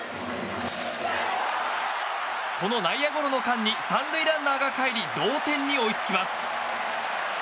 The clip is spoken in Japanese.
この内野ゴロの間に３塁ランナーがかえり同点に追いつきます。